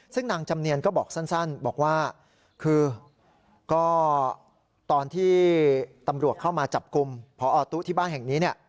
ซึ่งนางจำเนียนก็บอกสั้นบอกว่าคือก็ตอนที่ตำรวจเข้ามาจับกลุ่มพอตู้ที่บ้านแห่งนี้เนี่ย